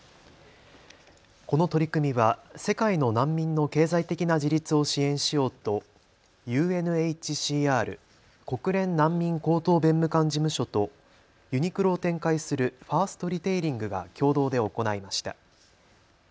この取り組みは世界の難民の経済的な自立を支援しようとＵＮＨＣＲ・国連難民高等弁務官事務所とユニクロを展開するファーストリテイリングが共同で行いました。